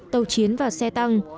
tàu chiến và xe tăng